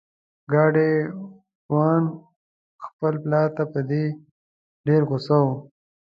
ګاډی وان خپل پلار ته په دې ډیر غوسه و.